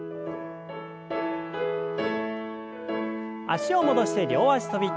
脚を戻して両脚跳び。